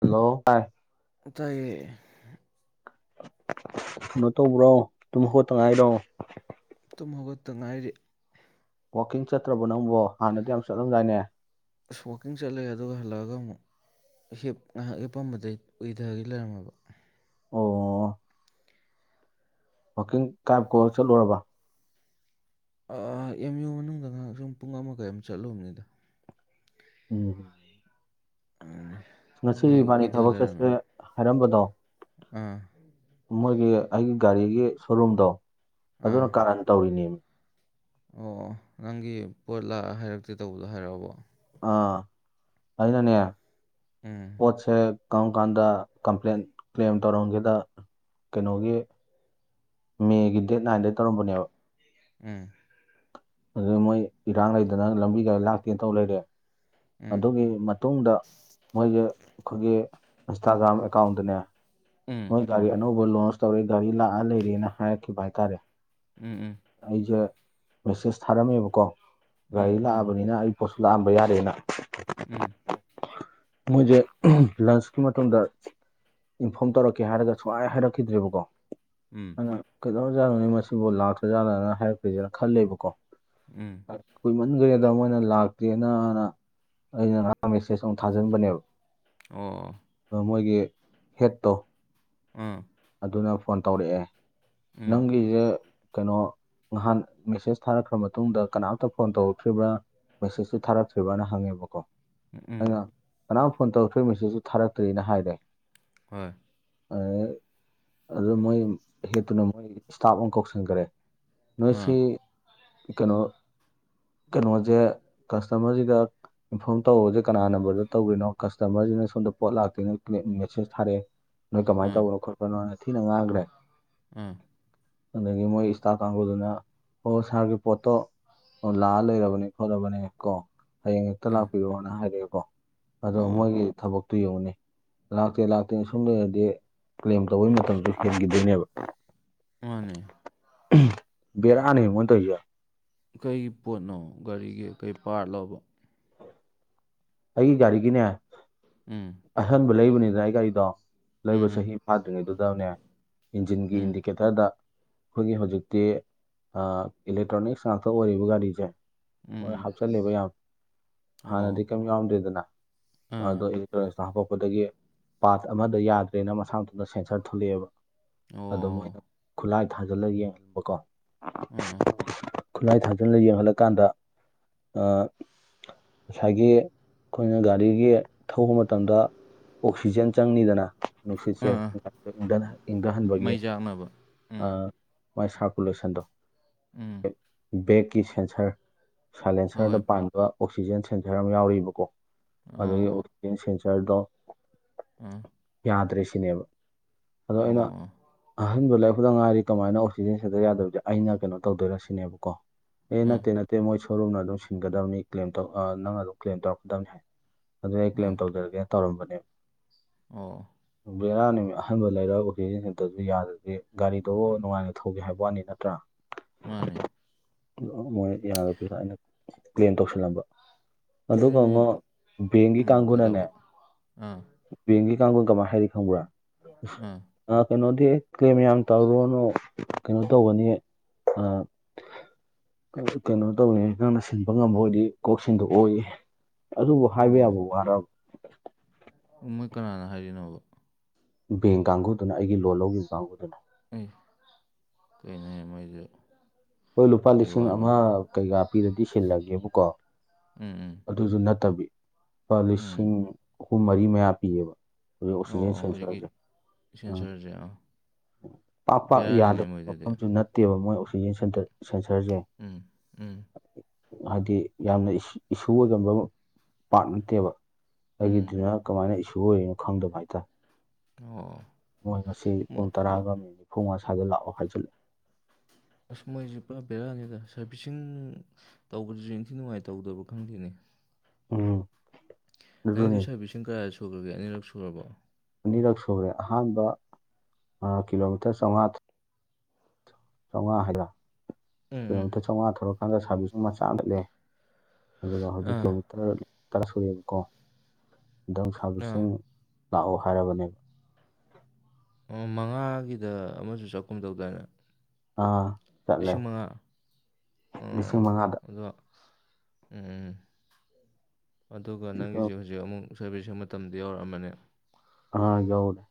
hello ꯇꯥꯏꯌꯦ ꯀꯩꯅꯣ ꯇꯧꯕ꯭ꯔꯣ ꯇꯨꯝ ꯍꯧꯒꯠꯇ ꯉꯥꯏꯔꯣ ꯇꯨꯝ ꯍꯧꯒꯠꯇ ꯉꯥꯏꯔꯤ ꯋꯥꯛꯀꯤꯡ ꯆꯠꯇ꯭ꯔꯕꯣ ꯅꯪꯕꯣ ꯍꯥꯟꯅꯗꯤ ꯌꯥꯝ ꯆꯠꯂꯝꯗꯥꯏꯅꯦ ꯑꯁ ꯋꯥꯛꯀꯤꯡ ꯆꯠꯂꯦ ꯑꯗꯨꯒ ꯍꯜꯂꯛꯑꯒ ꯑꯃꯨꯛ [inaudible] ꯉꯥꯏꯍꯥꯛ ꯍꯤꯄꯝꯕꯗꯩꯩ ꯎꯏꯗꯥꯒꯤ ꯂꯩꯔꯝꯃꯕ ꯑꯣ ꯋꯥꯛꯀꯤꯡ ꯀꯥꯏꯀꯣꯢ ꯆꯠꯂꯨꯔꯕ ꯑꯥ ꯑꯦꯝ ꯌꯨ ꯃꯅꯨꯡꯗ ꯉꯥꯏꯍꯥꯛ ꯁꯨꯝ ꯄꯨꯡ ꯑꯃꯥ ꯀꯩ ꯑꯃꯥ ꯆꯠꯂꯨꯕꯅꯤꯗ ꯎꯝ [inaudible] ꯉꯁꯤ ꯏꯕꯥꯟꯅꯤ ꯊꯕꯛ ꯆꯠꯁꯦ ꯍꯥꯏꯔꯝꯕꯗꯣ ꯎꯝ ꯃꯣꯏꯒꯤ ꯑꯩꯒꯤ ꯒꯥꯔꯤꯒꯤ ꯁꯣꯔꯨꯝꯗꯣ ꯑꯗꯨꯅ ꯀꯥꯔꯟ ꯇꯧꯔꯤꯅꯦꯃꯤ ꯑꯣ ꯑꯣ ꯅꯪꯒꯤ ꯄꯣꯠ ꯂꯥꯛꯑꯥ ꯍꯥꯏꯔꯛꯇꯦ ꯇꯧꯕꯗꯣ ꯍꯥꯏꯔꯛꯑꯕꯣ ꯑꯥ ꯑꯩꯅꯅꯦ ꯎꯝ ꯄꯣꯠꯁꯦ ꯀꯔꯝ ꯀꯥꯟꯗ ꯀꯝꯄ꯭ꯂꯦꯟ ꯀ꯭ꯂꯦꯝ ꯇꯧꯔꯝꯒꯦꯗ ꯀꯩꯅꯣꯒꯤ ꯃꯦꯒꯤ ꯗꯦꯠ ꯅꯥꯏꯟꯗ ꯇꯧꯔꯝꯕꯅꯦꯕ ꯎꯝ ꯑꯗꯨ ꯃꯣꯏ ꯏꯔꯥꯡ ꯂꯩꯗꯅ ꯂꯝꯕꯤ ꯒꯥꯔꯤ ꯂꯥꯛꯇꯦ ꯇꯧ ꯂꯩꯔꯦ ꯎꯝ ꯑꯗꯨꯒꯤ ꯃꯇꯨꯡꯗ ꯃꯣꯏꯒꯤ ꯑꯩꯈꯣꯏꯒꯤ ꯏꯟꯁꯇꯥꯒ꯭ꯔꯥꯝ ꯑꯦꯀꯥꯎꯟꯗꯅꯦ ꯃꯣꯏ ꯒꯥꯔꯤ ꯑꯅꯧ ꯂꯣꯟꯁ ꯇꯧꯔꯦ ꯒꯥꯔꯤ ꯂꯥꯛꯑ ꯂꯩꯔꯦꯅ ꯍꯥꯏꯔꯛꯈꯤꯕ ꯍꯥꯏꯇꯥꯔꯦ ꯎꯝ ꯎꯝ ꯑꯩꯖꯦ ꯃꯦꯁꯦꯁ ꯊꯥꯔꯝꯃꯦꯕꯀꯣ ꯒꯥꯔꯤ ꯎꯝ ꯂꯥꯛꯑꯕꯅꯤꯅ ꯑꯩ ꯄꯣꯠꯁꯨ ꯂꯥꯛꯑꯝꯕ ꯌꯥꯔꯦꯅ ꯎꯝ ꯃꯣꯏꯖꯦ ꯂꯟꯆꯀꯤ ꯃꯇꯨꯡꯗ ꯏꯟꯐꯣꯔꯝ ꯇꯧꯔꯛꯀꯦ ꯍꯥꯏꯔꯒ ꯁꯨꯛꯍꯥꯏ ꯍꯥꯏꯔꯛꯈꯤꯗ꯭ꯔꯦꯕꯀꯣ ꯎꯝ ꯑꯉꯥꯡ ꯀꯩꯗꯧꯔꯖꯥꯠꯅꯣꯅꯦ ꯃꯁꯤꯕꯨ ꯂꯥꯛꯇ꯭ꯔꯖꯥꯠꯂꯅꯥ ꯍꯥꯏꯔꯛꯇ꯭ꯔꯤꯖꯤꯅ ꯈꯜꯂꯦꯕꯀꯣ ꯎꯝ ꯀꯨꯏꯃꯟꯒ꯭ꯔꯦꯗ ꯃꯣꯏꯅ ꯂꯥꯛꯇꯦꯅꯅ ꯑꯩꯅ ꯉꯥꯔꯥꯡ ꯃꯦꯁꯦꯖ ꯑꯃꯨꯛ ꯊꯥꯖꯤꯟꯕꯅꯦꯕ ꯑꯣ ꯑꯣ ꯑꯗꯨ ꯃꯣꯏꯒꯤ ꯍꯦꯠꯇꯣ ꯑꯥ ꯑꯗꯨꯅ ꯐꯣꯟ ꯇꯧꯔꯛꯑꯦ ꯎꯝ ꯅꯪꯒꯤꯖꯦ ꯀꯩꯅꯣ ꯅꯍꯥꯟ ꯃꯦꯁꯦꯁ ꯊꯥꯔꯛꯈ꯭ꯔꯥ ꯃꯇꯨꯡꯗ ꯀꯅꯥꯝꯇ ꯐꯣꯟ ꯇꯧꯔꯛꯇ꯭ꯔꯤꯕ꯭ꯔꯥ ꯃꯦꯁꯦꯁꯇꯤ ꯊꯥꯔꯛꯇ꯭ꯔꯤꯕꯅ ꯍꯪꯉꯦꯕꯀꯣ ꯎꯝ ꯑꯩꯅ ꯀꯅꯥꯝ ꯐꯣꯟ ꯇꯧꯔꯛꯇ꯭ꯔꯦ ꯃꯦꯁꯦꯖꯁꯨ ꯊꯥꯔꯛꯇ꯭ꯔꯤꯅ ꯍꯥꯏꯔꯦ ꯍꯣꯏ ꯑꯗꯨ ꯃꯣꯏ ꯍꯦꯠꯇꯨꯅ ꯃꯣꯏ ꯏꯁꯇꯥꯞ ꯑꯃꯥ ꯀꯧꯁꯤꯟꯈ꯭ꯔꯦ ꯑꯥ ꯅꯣꯏꯁꯤ ꯀꯩꯅꯣ ꯀꯩꯅꯣꯖꯦ ꯀꯁꯇꯃꯔꯖꯤꯒ ꯏꯟꯐꯣꯔꯝ ꯇꯧꯕꯗꯤ ꯀꯅꯥ ꯅꯝꯕꯔꯗ ꯇꯧꯔꯤꯅꯣ ꯀꯁꯇꯃꯔꯖꯤꯅ ꯁꯣꯝꯗ ꯄꯣꯠ ꯂꯥꯛꯇꯦꯅ ꯃꯦꯁꯦꯁ ꯊꯥꯔꯛꯑꯦ ꯅꯣꯏ ꯀꯃꯥꯏꯅ ꯑꯥ ꯇꯧꯕꯅꯣ ꯈꯣꯠꯄꯅꯣꯅ ꯊꯤꯅ ꯉꯥꯡꯒ꯭ꯔꯦ ꯑꯥ ꯑꯗꯨꯒꯤ ꯃꯣꯏ ꯏꯁꯇꯥꯞ ꯀꯥꯡꯕꯨꯗꯨꯅ ꯑꯣ ꯁꯥꯔꯒꯤ ꯄꯣꯠꯇꯣ ꯑꯣ ꯂꯥꯛꯑ ꯂꯩꯔꯕꯅꯦ ꯈꯣꯠꯂꯕꯅꯦ ꯀꯣ ꯍꯌꯦꯡ ꯍꯦꯛꯇ ꯑꯥ ꯂꯥꯛꯄꯤꯔꯣꯅ ꯍꯥꯏ ꯏꯀꯣ ꯑꯗꯣ ꯑꯣ ꯃꯣꯏꯒꯤ ꯊꯕꯛꯇꯨ ꯌꯦꯡꯉꯨꯅꯦ ꯂꯥꯛꯇꯦ ꯂꯥꯛꯇꯦ ꯁꯨꯝ ꯂꯩꯔꯗꯤ ꯀ꯭ꯂꯦꯝ ꯇꯧꯕꯩ ꯃꯇꯝꯗꯣ ꯍꯦꯟꯒꯤꯗꯣꯏꯅꯦꯕ ꯃꯥꯅꯦ ꯕꯦꯔꯥꯅꯦ ꯃꯣꯏꯅꯥ ꯇꯧꯔꯤꯖꯦ ꯀꯔꯤ ꯄꯣꯠꯅꯣ ꯒꯥꯔꯤꯒꯤ ꯀꯩ ꯄꯥꯔꯠꯂꯣꯕ ꯑꯩꯒꯤ ꯒꯥꯔꯤꯒꯤꯅꯦ ꯎꯝ ꯑꯍꯟꯕ ꯂꯩꯕꯅꯤꯗꯥꯏ ꯑꯩ ꯒꯥꯔꯤꯗꯣ ꯂꯩꯕ ꯎꯝ ꯆꯍꯤ ꯐꯥꯗ꯭ꯔꯤꯉꯩꯗꯨꯗꯅꯦ ꯏꯟꯖꯤꯟꯒꯤ ꯎꯝ ꯏꯟꯗꯤꯀꯦꯇꯔꯗ ꯑꯩꯈꯣꯏꯒꯤ ꯍꯧꯖꯤꯛꯇꯤ ꯑ ꯏꯂꯦꯛꯇ꯭ꯔꯣꯅꯤꯛꯁ ꯉꯥꯛꯇ ꯑꯣꯏꯔꯤꯕ ꯒꯥꯔꯤꯖꯦ ꯃꯣꯏ ꯎꯝ ꯎꯝ ꯎꯝ ꯍꯥꯞꯆꯤꯜꯂꯦꯕ ꯌꯥꯝ ꯍꯥꯟꯅꯗꯤ ꯑꯣ ꯀꯩꯝ ꯌꯥꯎꯔꯝꯗꯦꯗꯅ ꯑꯥ ꯑꯗꯣ ꯑꯦꯂꯦꯛꯇ꯭ꯔꯣꯅꯤꯛꯁ ꯇꯥ ꯍꯥꯞꯄꯛꯄꯗꯒꯤ ꯄꯥꯔꯠ ꯑꯃꯗ ꯌꯥꯗ꯭ꯔꯦꯅ ꯃꯁꯥ ꯃꯊꯟꯗ ꯁꯦꯟꯁꯔ ꯊꯣꯛꯂꯛꯑꯦꯕ ꯑꯗꯨꯝ ꯃꯣꯏꯅ ꯑꯣ ꯈꯨꯠꯂꯥꯏ ꯊꯥꯖꯤꯜꯂ ꯌꯦꯡꯍꯟꯕꯀꯣ ꯎꯝ ꯈꯨꯠꯂꯥꯏ ꯊꯥꯟꯖꯜꯂꯥ ꯌꯦꯡꯍꯜꯂꯀꯥꯟꯗ ꯑꯥ ꯉꯁꯥꯏꯒꯤ ꯑꯩꯈꯣꯏꯅ ꯒꯥꯔꯤꯒꯤ ꯊꯧꯕ ꯃꯇꯝꯗ ꯑꯣꯛꯁꯤꯖꯦꯟ ꯆꯪꯅꯤꯗꯅ ꯑꯥ ꯅꯨꯡꯁꯤꯠꯁꯦ ꯑꯥ ꯉꯥꯛꯇꯪ ꯏꯪꯗꯟꯍꯟ ꯏꯪꯗꯍꯟꯕꯒꯤ ꯃꯩ ꯆꯥꯛꯅꯕ ꯎꯝ ꯑꯥ ꯃꯥꯏ ꯁꯥꯔꯀꯨꯂꯦꯁꯟꯗꯣ ꯎꯝ ꯕꯦꯛꯀꯤ ꯁꯦꯟꯁꯔ ꯍꯣꯏ ꯁꯥꯏꯂꯦꯟꯁꯔꯗ ꯄꯥꯟꯕ ꯑꯣꯛꯁꯤꯖꯦꯟ ꯁꯦꯟꯁꯔ ꯑꯃ ꯌꯥꯎꯔꯤꯕꯀꯣ ꯑꯗꯨꯒꯤ ꯑꯣ ꯑꯣꯛ ꯑꯦꯟ ꯁꯦꯟꯁꯔꯗꯣ ꯎꯝ ꯌꯥꯥꯗ꯭ꯔꯦ ꯁꯤꯅꯦꯕ ꯑꯗꯣ ꯑꯩꯅ ꯑꯣ ꯑꯍꯟꯕ ꯂꯩꯔꯛꯄꯗꯥ ꯉꯥꯏꯔꯤ ꯀꯃꯥꯏꯅ ꯑꯣꯛꯁꯤꯖꯦꯟ ꯁꯦꯟꯁꯔ ꯌꯥꯗꯕꯖꯦ ꯑꯩꯅ ꯀꯩꯅꯣ ꯇꯧꯗꯣꯏꯅꯣ ꯁꯤꯅꯦꯕꯀꯣ ꯑꯦ ꯑꯥ ꯅꯠꯇꯦ ꯅꯠꯇꯦ ꯃꯣꯏ ꯁꯣꯔꯨꯝꯅ ꯑꯗꯨꯝ ꯁꯤꯟꯒꯗꯕꯅꯤ ꯀ꯭ꯂꯦꯝ ꯇꯧ ꯑ ꯅꯪ ꯑꯗꯨꯝ ꯀ꯭ꯂꯦꯝ ꯇꯧ ꯗꯝꯅꯦ ꯍꯥꯏ ꯑꯗꯨꯗꯤ ꯑꯩ ꯀ꯭ꯂꯦꯝ ꯑꯥ ꯇꯧꯖꯔꯒꯦ ꯇꯧꯔꯝꯕꯅꯦꯕ ꯑꯣ ꯕꯦꯔꯥꯅꯦꯃꯤ ꯑꯍꯟꯕ ꯂꯩꯔꯛꯑꯒ ꯑꯣꯛꯁꯤꯖꯦꯟ ꯁꯦꯟꯇꯔꯖꯨ ꯌꯥꯗ꯭ꯔꯥꯗꯤ ꯒꯥꯔꯤꯗꯨꯕꯨ ꯅꯨꯡꯉꯥꯏꯅ ꯊꯧꯒꯦ ꯍꯥꯏꯕ ꯋꯥꯅꯤ ꯅꯠꯇ꯭ꯔꯥ [inaudible] ꯃꯥꯅꯦ [unintelligible] ꯃꯣꯏ ꯌꯥꯗꯕꯤꯗ ꯑꯩꯅ ꯀ꯭ꯂꯦꯝ ꯇꯧꯁꯜꯂꯝꯕ ꯑꯗꯨꯒꯥ ꯑꯃ ꯑꯗꯨꯗꯤ ꯕꯦꯡꯒꯤ ꯎꯝ ꯀꯥꯡꯒꯨꯅꯅꯦ ꯀꯩꯗꯧꯕ ꯑꯥ ꯕꯦꯡꯒꯤ ꯀꯥꯡꯒꯨꯅ ꯀꯃꯥꯏ ꯍꯥꯏꯔꯛꯏ ꯈꯪꯕ꯭ꯔꯥ ꯎꯝ ꯑ ꯀꯩꯅꯣꯗꯤ ꯀ꯭ꯂꯦꯝ ꯌꯥꯝ ꯇꯧꯔꯨꯔꯅꯨ ꯀꯩꯅꯣ ꯇꯧꯒꯅꯤ ꯑ ꯀꯩꯅꯣ ꯇꯧꯅꯤ ꯅꯪꯅ ꯁꯤꯟꯕ ꯉꯝꯕ ꯑꯣꯏꯗꯤ ꯀꯣꯛꯁꯤꯟꯗꯣꯛ ꯑꯣꯏꯌꯦ ꯑꯗꯨꯕꯨ ꯍꯥꯏꯕ ꯌꯥꯕ ꯋꯥꯔꯕ ꯎꯝ ꯃꯣꯏ ꯀꯅꯥꯅ ꯍꯥꯏꯔꯤꯅꯣꯕ ꯕꯦꯡ ꯀꯥꯡꯒꯨꯗꯨꯅ ꯑꯩꯒꯤ ꯂꯣꯟ ꯂꯧꯒꯤꯕ ꯀꯥꯡꯒꯨꯗꯨꯅ ꯑꯩ ꯀꯩꯅꯣꯅꯦ ꯃꯣꯏꯖꯨ ꯑꯈꯣꯏ ꯂꯨꯄꯥ ꯂꯤꯁꯤꯡ ꯑꯃ ꯀꯩꯀꯥ ꯄꯤꯔꯗꯤ ꯁꯤꯜꯂꯒꯦꯕꯨꯀꯣ ꯎꯝ ꯎꯝ ꯑꯗꯨꯖꯨ ꯅꯠꯇꯕꯤ ꯂꯨꯄꯥ ꯎꯝ ꯂꯤꯁꯤꯡ ꯑꯍꯨꯝ ꯃꯔꯤ ꯃꯌꯥ ꯄꯤꯌꯦꯕ ꯍꯧꯖꯤꯛ ꯑꯣꯛꯁꯤꯖꯦꯟ ꯑꯣ ꯍꯧꯖꯤꯛꯀꯤ ꯁꯦꯟꯁꯔꯖꯦ ꯎꯝ ꯁꯦꯟꯁꯔꯁꯦ ꯑꯥ ꯄꯥꯛ ꯄꯥꯛ ꯕꯦꯔꯥꯅꯤꯅꯦ ꯌꯥꯗꯕ ꯃꯣꯏꯗꯨꯗꯤ ꯃꯐꯝꯖꯨ ꯅꯠꯇꯦꯕ ꯃꯣꯏ ꯑꯣꯛꯁꯤꯖꯦꯟ ꯁꯦꯟꯇꯔ ꯁꯦꯟꯁꯔꯖꯦ ꯎꯝ ꯎꯝ ꯍꯥꯏꯗꯤ ꯌꯥꯝꯅ ꯏꯁ ꯏꯁꯨ ꯑꯣꯏꯒꯝꯕ ꯄꯥꯠ ꯅꯠꯇꯦꯕ ꯎꯝ ꯑꯩꯒꯤꯗꯨꯅ ꯀꯃꯥꯏꯅ ꯏꯁꯨ ꯑꯣꯏꯔꯤꯅꯣ ꯈꯪꯗꯕ ꯍꯥꯏꯇꯥꯔꯦ ꯑꯣ ꯃꯣꯏ ꯉꯁꯤ ꯄꯨꯡ ꯃꯣꯏ ꯇꯔꯥꯒ ꯃꯤꯅꯤꯠ ꯅꯤꯐꯨꯝꯉꯥ ꯁꯥꯏꯗ ꯂꯥꯛꯑꯣ ꯍꯥꯏꯖꯤꯜꯂꯦ ꯑꯁ ꯃꯣꯏꯖꯦ ꯄꯨꯔꯥ ꯕꯦꯔꯥꯅꯤꯗ ꯁꯥꯔꯕꯤꯁꯤꯡ ꯇꯧꯕꯗꯨꯖꯨ ꯏꯟꯊꯤ ꯅꯨꯡꯉꯥꯏ ꯇꯧꯗꯕ꯭ꯔꯥ ꯈꯪꯗꯦꯅꯦ ꯎꯝ ꯅꯪꯖꯨ ꯑꯗꯨꯅꯤ ꯁꯥꯔꯚꯤꯁꯁꯤꯡ ꯀꯌꯥꯔ ꯁꯨꯒ꯭ꯔꯒꯦ ꯑꯅꯤꯔꯛ ꯁꯨꯔꯕꯣ ꯑꯅꯤꯔꯛ ꯁꯨꯔꯦ ꯑꯍꯥꯟꯕ ꯑꯥ ꯀꯤꯂꯣꯃꯤꯇꯔ ꯆꯧꯉꯥ ꯆꯧꯉꯥ ꯍꯥꯏꯗ꯭ꯔ ꯎꯝ ꯎꯝ ꯀꯤꯂꯣꯃꯤꯇꯔ ꯆꯧꯉꯥ ꯊꯧꯔꯀꯥꯟꯗ ꯁꯥꯔꯚꯤꯁꯁꯤꯡ ꯃꯆꯥꯗ ꯂꯩ ꯑꯗꯨꯒ ꯍꯧꯖꯤꯛꯀꯤ ꯑꯥ ꯑꯃꯨꯛ [unintelligible] ꯇꯔꯥ ꯁꯨꯔꯦꯕꯀꯣ [unintelligible] ꯁꯥꯔꯕꯤꯁꯁꯤꯡ ꯑꯥ ꯂꯥꯛꯑꯣ ꯍꯥꯏꯔꯕꯅꯦꯕ ꯎꯝ ꯃꯉꯥꯒꯤꯗ ꯑꯃꯖꯨ ꯆꯠꯀꯨꯝ ꯇꯧꯗꯥꯏꯅꯦ ꯑꯥ ꯆꯠꯂꯦ ꯂꯤꯁꯤꯡꯃꯉꯥ ꯑꯥ ꯂꯤꯁꯤꯡ ꯃꯉꯥꯗ ꯑꯗꯣ ꯎꯝ ꯑꯗꯨꯒ ꯅꯪꯒꯤꯖꯦ ꯍꯨꯖꯤꯛ ꯑꯃꯨꯛ ꯁꯔꯚꯤꯁꯁꯤꯡ ꯃꯇꯝꯗꯤ ꯌꯧꯔꯛꯑꯝꯃꯅꯦ ꯑꯥ ꯌꯧꯔꯦ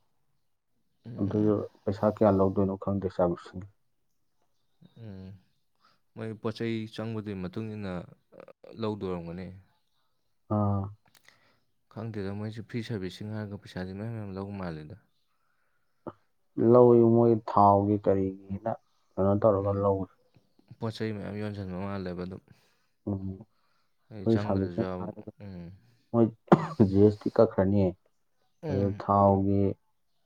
ꯎꯝ ꯑꯗꯨꯖꯨ ꯄꯩꯁꯥ ꯀꯌꯥ ꯂꯧꯗꯣꯏꯅꯣ ꯈꯪꯗꯦ ꯁꯥꯔꯕꯤꯁꯤꯡꯒꯤ ꯎꯝ ꯃꯣꯏ ꯄꯣꯠꯆꯩ ꯆꯪꯕꯗꯨꯏꯒꯤ ꯃꯇꯨꯡ ꯏꯟꯅ ꯂꯧꯗꯣꯏ ꯑꯣꯏꯔꯝꯒꯅꯤ ꯑꯥ ꯈꯪꯗꯦꯗ ꯃꯣꯏꯁꯦ ꯐ꯭ꯔꯤ ꯁꯥꯔꯚꯤꯁꯁꯤꯡ ꯍꯥꯏꯔꯒ ꯄꯩꯁꯥꯥꯖꯦ ꯃꯌꯥꯝ ꯃꯌꯥꯝ ꯂꯧ ꯃꯥꯜꯂꯦꯗ ꯂꯧꯋꯤ ꯃꯣꯏ ꯊꯥꯎꯒꯤ ꯀꯔꯤꯒꯤꯅ ꯀꯩꯅꯣ ꯇꯧꯔꯒ ꯑ, ꯂꯧꯋꯤ ꯄꯣꯠ ꯆꯩꯩ ꯃꯌꯥꯝ ꯌꯣꯟꯖꯤꯟꯕ ꯃꯥꯜꯂꯦꯕ ꯑꯗꯨꯝ ꯎꯝ ꯍꯩ ꯑꯩꯈꯣꯏ ꯆꯪꯗ꯭ꯔꯦꯖꯨ ꯁꯥꯔꯚꯤꯁꯁꯤꯡ ꯌꯥꯕ ꯍꯥꯏꯔꯒ ꯎꯝ ꯃꯣꯏ ꯖꯤ ꯑꯦꯁ ꯇꯤ ꯀꯛꯈ꯭ꯔꯅꯤ ꯑꯗꯨꯒ ꯎꯝ ꯊꯥꯎꯒꯤ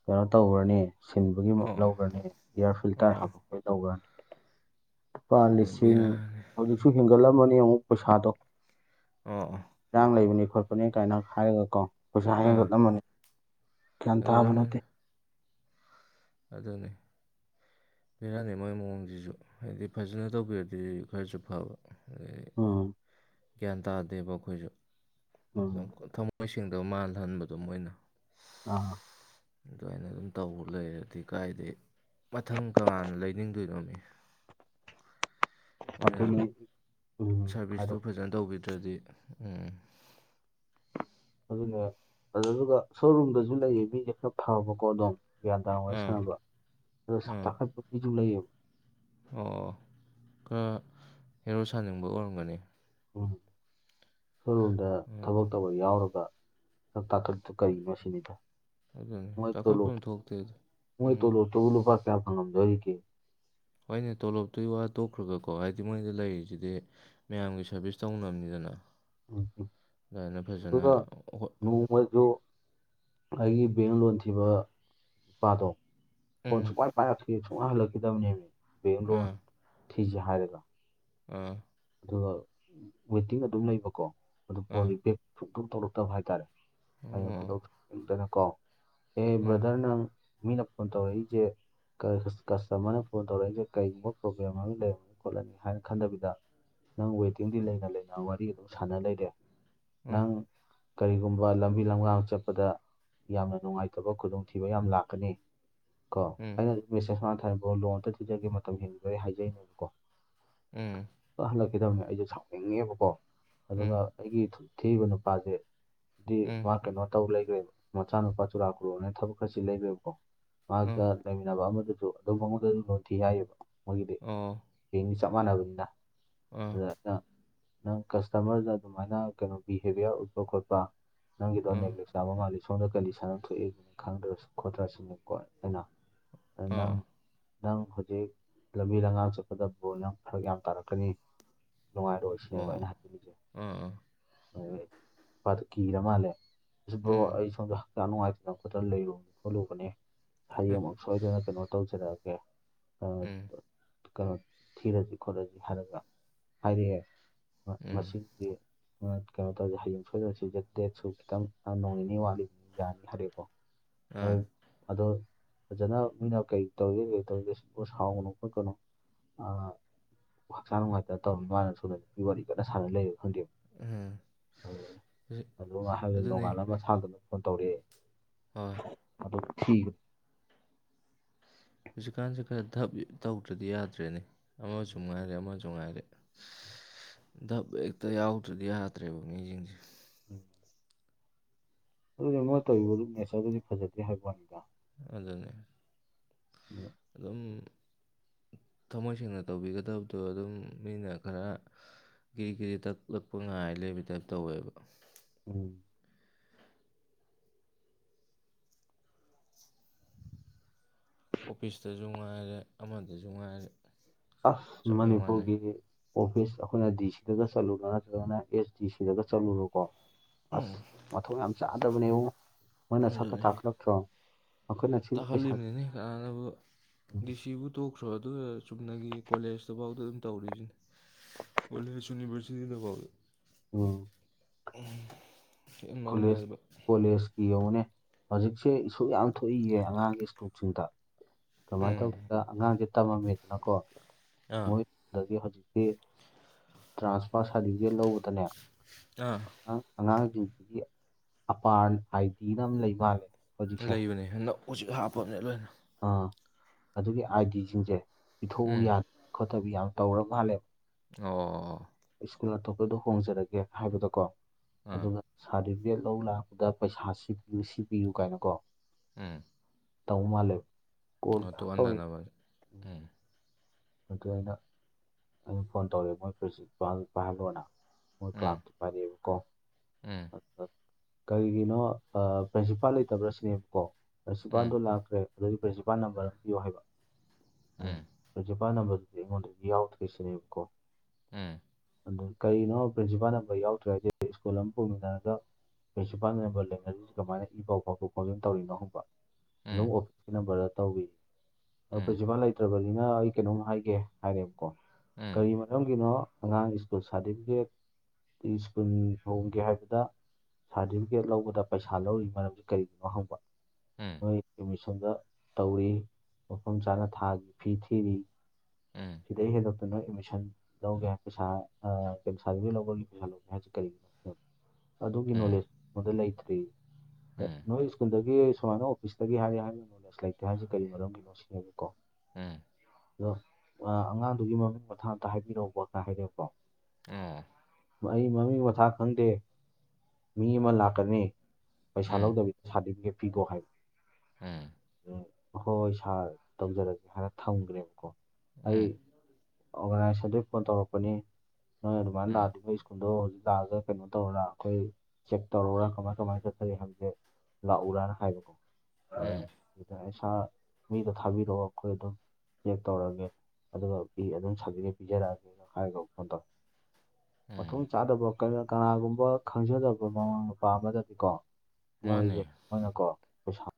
ꯀꯩꯅꯣ ꯇꯧꯒ꯭ꯔꯅꯤ ꯁꯤꯟꯕꯒꯤꯃꯨꯛ ꯑꯣ ꯂꯧꯒ꯭ꯔꯅꯤ ꯏꯌꯥꯔ ꯐꯤꯜꯇꯔ ꯑꯣ ꯍꯥꯞꯄ ꯂꯣꯏ ꯂꯧꯒ꯭ꯔꯥꯅꯤ ꯂꯨꯄꯥ ꯑꯗꯨ ꯂꯤꯁꯤꯡ ꯕꯤꯔꯥꯅꯤ ꯍꯧꯖꯤꯛ ꯇꯤ ꯍꯦꯟꯒꯠꯂꯝꯃꯅꯤ ꯑꯃꯨꯛ ꯄꯩꯁꯥꯗꯣ ꯑꯣ ꯑꯣ ꯏꯔꯥꯡ ꯂꯩꯕꯅꯦ ꯈꯣꯠꯄꯅꯤ ꯀꯥꯏꯅ ꯍꯥꯏꯔꯒ ꯀꯣ ꯄꯩꯁꯥ ꯑꯥ ꯍꯦꯟꯒꯠꯂꯝꯃꯅꯤ ꯒ꯭ꯌꯥꯟ ꯇꯥꯕ ꯍꯦꯟꯒꯠꯂꯝꯃꯅꯤ ꯅꯠꯇꯦ ꯑꯗꯨꯅꯤ ꯕꯤꯔꯥꯅꯤ ꯃꯣꯏ ꯃꯑꯣꯡꯖꯤꯖꯨ ꯍꯥꯏꯗꯤ ꯐꯖꯅ ꯇꯧꯕꯤꯔꯗꯤ ꯈꯔꯁꯨ ꯐꯕ ꯎꯝ [unintelligible] ꯒ꯭ꯌꯥꯟ ꯇꯥꯗꯦꯕ ꯑꯈꯣꯏꯖꯨ ꯎꯝ [unintelligible] ꯃꯣꯏꯁꯦꯡꯗꯕ ꯃꯥꯜꯍꯟꯕꯗꯣ ꯃꯣꯏꯅ ꯑꯥ ꯑꯗꯨꯋꯥꯏꯅ ꯑꯗꯨꯝ ꯇꯧꯕ ꯂꯩꯔꯗꯤ ꯀꯥꯏꯗꯩ ꯃꯊꯪ ꯀꯅꯥꯅ ꯂꯩꯅꯤꯡꯗꯣꯏꯅꯣꯃꯤ ꯃꯣꯏꯅ ꯑꯗꯨꯅꯦ ꯁꯥꯔꯚꯤꯁꯇꯨ ꯐꯖꯅ ꯇꯧꯕꯤꯗ꯭ꯔꯗꯤ ꯎꯝ ꯑꯗꯨꯅꯦ [unintelligible] ꯁꯣꯔꯨꯝꯗꯁꯨ ꯂꯩꯔꯤ ꯃꯤꯖꯦ ꯈꯔ ꯊꯥꯛꯑꯕꯀꯣ ꯑꯗꯨꯝ ꯒ꯭ꯌꯥꯟ ꯇꯥꯅ ꯋꯥꯔꯤ ꯑꯥ ꯁꯥꯟꯅꯕ ꯑꯗ ꯁꯛ ꯑꯥ ꯇꯥꯛꯈꯠꯄ ꯃꯤꯖꯨ ꯂꯩꯑꯕ ꯑꯣ ꯈꯔ ꯍꯦꯔꯣ ꯁꯥꯅꯤꯡꯕ ꯑꯣꯏꯔꯝꯒꯅꯤ ꯎꯝ ꯁꯣꯔꯨꯝꯗ ꯎꯝ ꯊꯕꯛ ꯇꯧꯕ ꯌꯥꯎꯔꯒ ꯁꯛ ꯇꯥꯛꯀꯠꯇꯨ ꯀꯔꯤꯒꯤꯅꯣ ꯁꯤꯅꯤꯗ ꯑꯗꯨꯅꯤ ꯃꯣꯏ ꯇꯣꯂꯣꯞ ꯆꯥꯎꯈꯠꯐꯝ ꯊꯣꯛꯇꯦ ꯃꯣꯏ ꯎꯝ ꯇꯣꯂꯣꯞꯇꯨꯕꯨ ꯂꯨꯄꯥ ꯀꯌꯥ ꯐꯪꯉꯝꯗꯣꯔꯤꯒꯦ ꯍꯣꯏꯅꯦ ꯇꯣꯂꯣꯞꯇꯨꯒꯤ ꯋꯥ ꯇꯣꯛꯈ꯭ꯔꯒꯀꯣ ꯍꯥꯏꯗꯤ ꯃꯣꯏꯗ ꯂꯩꯔꯤꯖꯤꯗꯤ ꯃꯌꯥꯝꯒꯤ ꯁꯔꯚꯤꯁ ꯇꯧꯅꯝꯅꯤꯗꯅ ꯎꯝ ꯎꯝ ꯑꯗꯨꯒ ꯍꯣ ꯅꯣꯡ ꯃꯣꯏꯖꯨ ꯑꯩꯒꯤ ꯕꯦꯡ ꯂꯣꯟ ꯊꯤꯕ ꯅꯨꯄꯥꯗꯣ ꯐꯣꯟ ꯎꯝ ꯁꯨꯛꯄꯥꯏ ꯄꯥꯏꯔꯛꯈꯤ ꯁꯨꯡꯍꯟ ꯍꯜꯂꯛꯈꯤꯗꯕꯅꯦꯃꯤ ꯕꯦꯡ ꯂꯣꯟ ꯑꯥ ꯊꯤꯖꯦ ꯍꯥꯏꯔꯒ ꯑꯥ ꯑꯗꯨꯒ ꯋꯦꯇꯤꯡ ꯑꯗꯨꯝ ꯂꯩꯕꯀꯣ ꯑꯗꯨ ꯐꯣꯟ ꯑꯥ ꯀꯣꯜꯗꯤ ꯕꯦꯛ ꯁꯨꯡꯇꯧ ꯇꯧꯔꯛꯇꯕ ꯍꯥꯏꯇꯥꯔꯦ ꯑꯩꯅ ꯑꯣ ꯈꯨꯗꯧ ꯁꯥꯎꯅꯤꯡꯗꯅꯀꯣ ꯍꯦ ꯎꯝ ꯕ꯭ꯔꯗꯔ ꯅꯪ ꯃꯤꯅ ꯐꯣꯟ ꯇꯧꯔꯛꯏꯖꯦ ꯀꯁꯇꯃꯔꯅ ꯐꯣꯟ ꯇꯧꯔꯛꯏꯁꯦ ꯀꯔꯤꯒꯨꯝꯕ ꯄ꯭ꯔꯣꯕ꯭ꯂꯦꯝ ꯑꯃ ꯂꯩꯔꯅꯤ ꯈꯣꯠꯂꯅꯤ ꯍꯥꯏꯅ ꯈꯟꯗꯕꯤꯗ ꯅꯪ ꯋꯦꯇꯤꯡꯗꯤ ꯂꯩꯅ ꯂꯩꯅ ꯋꯥꯔꯤ ꯑꯗꯨꯝ ꯁꯥꯟꯅ ꯂꯩꯔꯦ ꯎꯝ ꯅꯪ ꯀꯔꯤꯒꯨꯝꯕ ꯂꯝꯕꯤ ꯂꯝꯂꯥꯡ ꯆꯠꯄꯗ ꯌꯥꯝꯅ ꯅꯨꯡꯉꯥꯏꯇꯕ ꯈꯨꯗꯣꯡꯊꯤꯕ ꯌꯥꯝꯅ ꯂꯥꯛꯀꯅꯤ ꯀꯣ ꯎꯝ ꯑꯩꯅ ꯑꯗꯨꯝ ꯃꯦꯁꯦꯖ ꯃꯥꯟꯅ ꯊꯥꯔꯕ꯭ꯔꯣ ꯂꯣꯟ ꯑꯝꯇ ꯊꯤꯖꯒꯦ ꯃꯇꯝ ꯍꯦꯟꯕꯤꯕ ꯑꯩ ꯍꯥꯏꯖꯔꯤꯅꯦꯕꯀꯣ ꯎꯝ ꯀ ꯍꯜꯂꯛꯈꯤꯗꯕꯅꯦ ꯑꯩꯁꯨꯦ ꯁꯥꯎꯅꯤꯡꯉꯦꯕꯀꯣ ꯎꯝ ꯑꯗꯨꯒ ꯑꯩꯒꯤ ꯊꯦꯛꯏꯕ ꯅꯨꯄꯥꯁꯦ ꯗꯤ ꯎꯝ ꯃꯥ ꯀꯩꯅꯣ ꯇꯧ ꯂꯩꯈ꯭ꯔꯦꯕ ꯃꯆꯥꯅꯨꯄꯥ ꯆꯨꯔꯥ ꯈꯨꯨꯔꯛꯅ ꯊꯕꯛ ꯈꯔꯁꯤ ꯂꯩꯈ꯭ꯔꯦꯕꯀꯣ ꯎꯝ ꯃꯍꯥꯛꯀ ꯂꯩꯃꯤꯟꯅꯕ ꯑꯃꯗꯁꯨ ꯑꯗꯨ ꯐ ꯑꯃꯗꯁꯨ ꯂꯣꯟꯊꯤ ꯍꯥꯏꯌꯦꯕ ꯃꯣꯏꯒꯤꯗꯤ ꯑꯣ ꯇꯤꯝꯗꯤ ꯆꯞ ꯆꯃꯅꯕꯤꯅ ꯑꯥ ꯑꯗꯨꯗ ꯅꯪ ꯀꯁꯇꯃꯔꯗ ꯑꯗꯨꯃꯥꯏꯅ ꯀꯩꯅꯣ ꯄꯤꯈꯤꯕ ꯌꯥꯎꯔꯤꯕ꯭ꯔꯥ ꯈ‌ꯣꯠꯄ ꯅꯪꯒꯤꯗꯣ ꯑꯥ ꯅꯦꯛꯂꯦꯛꯁ ꯆꯥꯕ ꯃꯥꯜꯂꯤꯦ ꯁꯣꯝꯗ ꯀꯂꯤ ꯁꯅꯝ ꯊꯣꯛꯏꯦꯅ ꯈꯪꯗ꯭ꯔꯁꯨ ꯈꯣꯠꯇ꯭ꯔꯁꯨꯅꯦꯀꯣ ꯑꯩꯅ ꯅꯪ ꯑꯥ ꯅꯪ ꯍꯧꯖꯤꯛ ꯂꯝꯕꯤ ꯂꯝꯉꯥꯡ ꯆꯠꯄꯗ ꯕꯣ ꯐꯔꯛ ꯌꯥꯝ ꯇꯥꯔꯛꯄ ꯥꯛꯀꯅꯤ ꯅꯨꯡꯉꯥꯏꯔꯣꯏ ꯁꯤꯅꯦꯕ ꯑꯣ ꯑꯩꯅ ꯍꯥꯏꯖꯅꯤꯡꯁꯦ ꯑꯥ ꯍ‌ꯣꯏ ꯍ‌ꯣꯏ ꯃꯥꯗꯨ ꯀꯤꯔ ꯃꯥꯜꯂꯦ ꯕ꯭ꯔ‌ꯣ ꯎꯝ ꯑꯩ ꯁ‌ꯣꯝꯗ ꯍꯛꯆꯥꯡ ꯅꯨꯡꯉꯥꯏꯇꯅ ꯈꯣꯠꯇꯅ ꯂꯩꯔꯨ ꯈꯣꯠꯂꯨꯕꯅꯦ ꯍ ꯍꯌ‌ꯦꯡꯃꯨꯛ ꯁꯣꯏꯗꯅ ꯀꯩꯅꯣ ꯇꯧꯖꯔꯛꯑꯒꯦ ꯎꯝ ꯀꯩꯅꯣ ꯊꯤꯔꯁꯤ ꯈꯣꯠꯂꯁꯤ ꯍꯥꯏꯔꯒ ꯍꯥꯏꯔꯛꯑꯦ ꯎꯝ ꯃꯁꯤꯗꯤ ꯀꯩꯅꯣ ꯇꯧꯔꯤꯁꯦ ꯍꯌꯦꯡ ꯁꯣꯏꯗꯅꯁꯨ ꯗꯦꯠꯁꯨ ꯈꯤꯇꯪ ꯅꯣꯡ ꯅꯤꯅꯤ ꯋꯥꯠꯂꯤꯕꯅꯤ ꯌꯥꯅꯤ ꯍꯥꯏꯔꯦꯀꯣ ꯍꯣꯏ ꯑꯥ ꯑꯗꯣ ꯐꯖꯅ ꯃꯤꯅ ꯀꯩ ꯇꯧꯔꯤꯒꯦ ꯀꯩ ꯇꯧꯔꯤꯒꯦ ꯁꯤꯕꯨ ꯁꯥꯎꯒꯅꯨ ꯈꯣꯠꯀꯅꯨ ꯑ ꯍꯛꯆꯥꯡ ꯅꯨꯡꯉꯥꯏꯇ ꯇꯧꯔꯃꯤ ꯃꯥꯅ ꯁꯣꯏꯗꯅꯄꯤ ꯋꯥꯔꯤ ꯀꯟꯅ ꯁꯥꯟꯅ ꯂꯩꯕ ꯈꯪꯗꯦꯕ ꯎꯝ ꯎ ꯍꯧꯖꯤꯛ ꯑꯗꯨꯒ ꯍꯥꯏꯕ ꯑꯗꯨꯅꯦ ꯅꯣꯡꯉꯥꯜ ꯑꯃ ꯁꯥꯥꯡꯗꯨꯅ ꯐꯣꯟ ꯇꯧꯔꯛꯑꯦ ꯍꯣꯏ ꯑꯗ‌ꯣ ꯊꯤ ꯍꯧꯖꯤꯛꯀꯥꯟꯁꯦ ꯈꯔ ꯞ ꯇꯧꯗ꯭ꯔꯗꯤ ꯌꯥꯗ꯭ꯔꯦꯅꯦ ꯑꯃꯁꯨ ꯉꯥꯏꯔꯦ ꯑꯃꯁꯨ ꯉꯥꯏꯔꯦ ꯙꯞ ꯍꯦꯛꯇ ꯌꯥꯎꯗ꯭ꯔꯗꯤ ꯌꯥꯗ꯭ꯔꯦꯕ ꯃꯤꯁꯤꯡꯁꯦ ꯑꯗꯨꯗꯤ ꯃꯣꯏꯅ ꯇꯧꯔꯤꯕꯗꯨ ꯅꯦꯆꯔꯗꯨꯗꯤ ꯐꯖꯗ꯭ꯔ‌ꯦ ꯍꯥꯏꯕꯩ ꯋꯥꯅꯤꯗ ꯑꯗꯨꯅꯦ ꯎꯝ ꯑꯗꯨꯝ ꯊꯃꯣꯏ ꯁꯦꯡꯅ ꯇꯧꯕꯤꯒꯗꯕꯗꯣ ꯑꯗꯨꯝ ꯃꯤꯅ ꯈꯔ ꯀꯦꯔꯤ ꯀꯦꯔꯤ ꯇꯛꯂꯛꯄ ꯉꯥꯏ ꯂꯩꯕꯇꯥꯏꯞ ꯇꯧꯋꯦꯕ ꯎꯝ ꯑꯣꯐꯤꯁꯇꯁꯨ ꯉꯥꯏꯔꯦ ꯑꯃꯗꯁꯨ ꯉꯥꯏꯔꯦ ꯑꯁ ꯆꯞ ꯍꯦꯛ ꯃꯥꯟꯅꯩ ꯃꯅꯤꯄꯨꯔꯒꯤ ꯑꯣꯐꯤꯁ ꯑꯩꯈꯣꯏꯅ ꯗꯤ ꯁꯤꯗꯒ ꯆꯠꯂꯨꯨꯔ ꯅꯠꯇ꯭ꯔꯒꯅ ꯑꯦꯁ ꯗꯤ ꯁꯤꯗꯒ ꯆꯠꯂꯨꯔꯀꯣ ꯎꯝ ꯑꯁ ꯃꯊꯣꯡ ꯌꯥꯝ ꯆꯥꯗꯕꯅꯦꯕ ꯃꯣꯏꯅ ꯁꯛꯀ ꯇꯥꯛꯈꯠꯂꯛꯇ꯭ꯔꯣ ꯑꯩꯈꯣꯏꯅ ꯁꯤ ꯄꯩꯁꯥ ꯇꯍꯂꯤꯃꯤꯅꯦ ꯀꯅꯥꯅꯕꯨ ꯗꯤꯁꯤꯕꯨ ꯇꯣꯛꯈ꯭ꯔꯣ ꯑꯗꯨꯒ ꯆꯨꯝꯅꯒꯤ ꯀꯣꯂꯦꯖꯇꯐꯥꯎꯗ ꯑꯗꯨꯝ ꯇꯧꯔꯤꯁꯤꯅꯦ ꯀꯣꯂ‌ꯦꯖꯁꯨꯅꯤ ꯃꯁꯤꯗꯩꯗꯀ‌ꯣ ꯑ‌ꯣ [unintelligible] ꯀꯣꯂꯦꯁ ꯍꯦꯟꯃꯜꯂꯦꯕ ꯀꯣꯂꯦꯁ ꯌꯦꯡꯧꯅꯦ ꯍꯧꯖꯤꯛꯁꯦ ꯏꯁꯨ ꯌꯥꯝ ꯊꯣꯛꯏꯌꯦ ꯑꯉꯥꯡꯒꯤ ꯏꯁꯇꯣꯛꯁꯤꯡꯗ ꯀꯃꯥꯏꯅ ꯇꯧ ꯎꯝ ꯑꯉꯥꯡꯁ ꯇꯝꯃꯝꯃꯤꯗꯅꯀꯣ ꯑꯥ ꯃꯣꯏ ꯑꯗꯒꯤ ꯍꯧꯖꯤꯛꯇꯤ ꯇ꯭ꯔꯥꯟꯁꯐꯥꯔ ꯁꯥꯔꯗꯤꯕꯤꯒꯦꯠ ꯂꯧꯕꯗꯅꯦ ꯑꯥ ꯑ ꯑꯉꯥꯡꯖꯤꯡꯁꯤꯒꯤ ꯑꯄꯔ ꯑꯥꯏꯗꯤꯅ ꯑꯃ ꯂꯩꯃꯜꯂꯦ ꯂꯩꯕꯅꯦ ꯅ ꯑꯣꯖꯤꯛ ꯍꯥꯞꯄꯕꯅꯦ ꯂꯣꯏꯅ ꯑꯥ ꯑꯗꯨꯒꯤ ꯑꯥꯏꯗꯤꯖꯤꯡꯖꯦ ꯄꯤꯊꯣꯛꯎ ꯎꯝ ꯌꯥ ꯈꯣꯠꯇꯕꯤ ꯌꯥꯝ ꯇꯧꯔ ꯃꯥꯜꯂꯦ ꯑꯣ ꯁ꯭ꯀꯨꯜ ꯑꯇꯣꯞꯄꯗ ꯍꯣꯡꯖꯔꯒꯦ ꯍꯥꯏꯕꯗꯀꯣ ꯑꯥ ꯑꯗꯨꯒ ꯁꯥꯔꯗꯤꯕꯤꯒꯦꯠ ꯂꯧ ꯂꯥꯛꯄꯗ ꯄꯩꯁꯥ ꯁꯤ ꯄꯤꯌꯨ ꯁꯤꯄꯤꯌꯨ ꯀꯥꯏꯅꯀꯣ ꯎꯝ ꯇꯧ ꯃꯥꯜꯂꯦ ꯑꯣ ꯇꯣꯛꯍꯟꯗꯅꯕ ꯎꯝ ꯑꯗꯨ ꯑꯩꯅ ꯑꯗꯨ ꯐꯣꯟ ꯇꯧꯔꯦ ꯃꯣꯏ ꯄ꯭ꯔꯤꯟꯁꯤꯄꯥꯜ ꯄꯥꯏꯍꯜꯂꯣꯅ ꯃꯣꯏ ꯎꯝ ꯀ꯭ꯂꯥꯛꯇꯤ ꯄꯥꯏꯔꯛꯑꯦꯕꯀꯣ ꯎꯝ ꯀꯔꯤꯒꯤꯅꯣ ꯑꯥ ꯄ꯭ꯔꯤꯟꯁꯤꯄꯥꯜ ꯂꯩꯇꯕ꯭ꯔꯥ ꯁꯤꯅꯦꯕꯀꯣ ꯄ꯭ꯔꯤꯟꯁꯤꯄꯥꯜꯗꯣ ꯎꯝ ꯂꯥꯛꯈ꯭ꯔꯦ ꯑꯗꯨꯗꯤ ꯄ꯭ꯔꯤꯟꯁꯤꯄꯥꯜ ꯅꯝꯕꯔ ꯑꯃ ꯄꯤꯌꯣ ꯍꯥꯏꯕ ꯑꯗꯨ ꯎꯝ ꯄ꯭ꯔꯤꯟꯁꯤꯄꯥꯜ ꯅꯝꯕꯔꯗꯨ ꯑꯩꯉꯣꯟꯗꯗꯤ ꯌꯥꯎꯗ꯭ꯔꯦ ꯁꯤꯅꯦꯕ ꯀꯣ ꯎꯝ ꯑꯗꯨ ꯀꯔꯤꯅꯣ ꯄ꯭ꯔꯤꯟꯁꯤꯄꯥꯜ ꯅꯝꯕꯔ ꯌꯥꯎꯗ꯭ꯔꯦ ꯍꯥꯏꯗꯤ ꯁ꯭ꯀꯨꯜ ꯑꯃ ꯄꯨꯃꯤꯟꯅꯔꯒ ꯄ꯭ꯔꯤꯟꯁꯤꯄꯥꯜ ꯅꯝꯕꯔ ꯂꯩꯅꯗ꯭ꯔꯤꯁꯤ ꯀꯃꯥꯏꯅ ꯏ ꯄꯥꯎ ꯐꯥꯎꯗꯣꯛ ꯐꯥꯎꯖꯤꯟ ꯇꯧꯔꯤꯅꯣ ꯍꯪꯕ ꯎꯝ ꯑꯗꯨꯝ ꯑꯣꯐꯤꯁꯀꯤ ꯅꯝꯕꯔꯗ ꯇꯧꯋꯤ ꯑꯗꯣ ꯎꯝ ꯄ꯭ꯔꯤꯁꯤꯄꯥꯜ ꯂꯩ ꯂꯩꯇꯕꯅꯤꯅ ꯑꯩ ꯀꯩꯅꯣꯝ ꯍꯥꯏꯒꯦ ꯍꯥꯏꯔꯦꯕꯀꯣ ꯎꯝ ꯎꯝ ꯀꯔꯤ ꯃꯔꯝꯒꯤꯅꯣ ꯑꯉꯥꯡ ꯁ꯭ꯀꯨꯜ ꯁꯥꯔꯗꯤꯕꯤꯒꯦꯠ ꯁ꯭ꯀꯨꯜ ꯍꯣꯡꯒꯦ ꯍꯥꯏꯕꯗ ꯁꯥꯔꯗꯤꯕꯤꯒꯦꯠ ꯂꯧꯕꯗ ꯄꯩꯁꯥ ꯂꯧꯔꯤ ꯃꯔꯝꯁꯤ ꯀꯔꯤꯒꯤꯅꯣ ꯍꯪꯕ ꯃꯣꯏ ꯑꯦꯃꯤꯁꯟꯗ ꯇꯧꯔꯤ ꯃꯐꯝ ꯆꯥꯅ ꯊꯥꯒꯤ ꯐꯤ ꯊꯤꯔꯤ ꯎꯝ ꯁꯤꯗꯩ ꯍꯦꯟꯅ ꯁꯤꯗ ꯅꯣꯏ ꯑꯦꯗꯃꯤꯁꯟ ꯂꯧꯒꯦ ꯍꯥꯏ ꯄꯩꯁꯥ ꯑꯥ ꯁꯥꯔꯗꯤꯕꯤꯒꯦꯠ ꯂꯧꯕꯒꯤ ꯄꯩꯁꯥ ꯂꯧꯒꯦ ꯍꯥꯏꯁꯤ ꯀꯔꯤꯒꯤꯅꯣ [unintelligible] ꯑꯗꯨꯒꯤ ꯎꯝ ꯅꯣꯂꯦꯖ [unintelligible] ꯂꯩꯇ꯭ꯔꯤ ꯅꯣꯏ ꯁ꯭ꯀꯨꯜꯗꯒꯤ ꯁꯨꯃꯥꯏꯅ ꯑꯣꯐꯤꯁꯇꯒꯤ ꯍꯥꯏꯔꯤꯑꯦ [unintelligible] ꯅꯣꯂꯦꯖ ꯂꯩꯇꯦ ꯍꯥꯏꯔꯤꯁꯦ ꯀꯔꯤ ꯃꯔꯝꯒꯤꯅꯣ ꯁꯤꯅꯦꯕꯀꯣ ꯎꯝ ꯎꯝ ꯑꯗꯣ ꯑꯉꯥꯡꯗꯨꯒꯤ ꯃꯃꯤꯡ ꯃꯊꯥ ꯑꯝꯇ ꯍꯥꯏꯕꯤꯔꯛꯑꯣꯕ ꯀ ꯍꯥꯏꯔꯛꯑꯦꯕꯀꯣ ꯑꯥ ꯑꯩ ꯃꯃꯤꯡ ꯃꯊꯥ ꯈꯪꯗꯦ ꯃꯤ ꯑꯃ ꯂꯥꯛꯀꯅꯤ ꯄꯩꯁꯥ ꯎꯝ ꯎꯝ ꯂꯧꯗꯕꯤꯗ ꯁꯥꯔꯗꯤꯕꯤꯒꯦꯠ ꯄꯤꯒꯣ ꯍꯥꯏꯕ ꯎꯝ ꯎꯝ ꯍꯣꯏ ꯍꯣꯏ ꯁꯥꯔ ꯇꯧꯖꯔꯒꯦ ꯍꯥꯏꯔ ꯊꯝꯒ꯭ꯔꯦꯕꯀꯣ ꯑꯩ ꯑꯣꯔꯒꯅꯥꯏꯖꯦꯁꯟꯗꯩ ꯐꯣꯟ ꯇꯧꯔꯛꯄꯅꯤ ꯅꯣꯏ ꯑꯗꯨꯃꯥꯏꯅ ꯎꯝ ꯂꯥꯛꯑꯗꯤ ꯅꯣꯏ ꯁ꯭ꯀꯨꯜ ꯀꯨꯜꯗꯣ ꯍꯧꯖꯤꯛ ꯂꯥꯛꯑꯒ ꯀꯩꯅꯣ ꯇꯧꯔꯥ ꯑꯩꯈꯣꯏ ꯆꯦꯛ ꯇꯧꯔꯣꯔꯥ ꯀꯃꯥꯏ ꯀꯃꯥꯏ ꯆꯠꯊꯔꯤ ꯍꯥꯏꯕꯁꯦ ꯂꯥꯛꯎꯔꯅ ꯍꯥꯏꯕꯀꯣ ꯎꯝ ꯎꯝ [unintelligible] ꯁꯥꯔ ꯃꯤꯗꯣ ꯊꯥꯕꯤꯔꯛꯑꯣ ꯑꯈꯣꯏ ꯑꯗꯨꯝ ꯆꯦꯛ ꯇꯧꯔꯒꯦ ꯑꯗꯨꯒ ꯑꯩ ꯑꯗꯨꯝ ꯁꯔꯗꯤꯕꯤꯒꯦꯠ ꯄꯤꯖꯔꯛꯑꯒꯦꯅ ꯍꯥꯏꯔ ꯐꯣꯟ [unintelligible] ꯃꯇꯨꯡ ꯎꯝ ꯆꯥꯗꯕ ꯀꯅꯥ ꯀꯅꯥꯒꯨꯝꯕ ꯈꯪꯖꯗꯕ ꯃꯃꯥ ꯃꯄꯥ ꯑꯃꯗꯗꯤꯀꯣ ꯃꯥꯅꯦ ꯃꯣꯏꯖꯦ ꯃꯣꯏꯅꯀꯣ ꯄꯩꯁꯥ